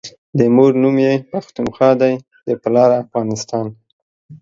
دمور نوم يی پښتونخوا دی دپلار افغانستان